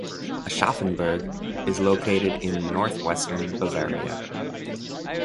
Aschaffenburg is located in northwestern Bavaria.